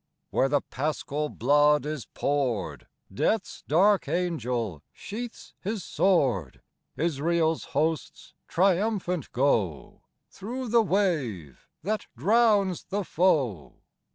Where the Paschal blood is poured, Death's dark angel sheathes his sword ; Israel's hosts triumphant go Through the wave that drowns the foe.